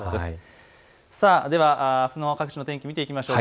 あすの各地の天気見ていきましょう。